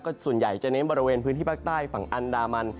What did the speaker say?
ส่วนใหญ่จะเน้นบริเวณพื้นที่ภาคใต้ฝั่งอันดามัน